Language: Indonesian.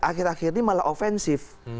akhir akhir ini malah offensif